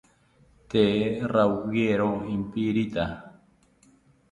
Tee rawiero ipirintha